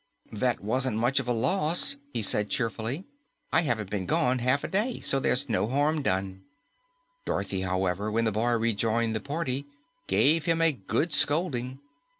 "That wasn't much of a loss," he said cheerfully. "I haven't been gone half a day, so there's no harm done." Dorothy, however, when the boy rejoined the party, gave him a good scolding.